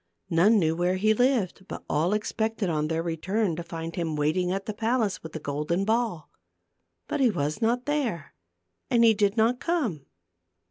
None knew where he lived, but all expected on their return to find him waiting at the palace with the golden ball. But he was not there and he did not come.